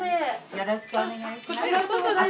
よろしくお願いします。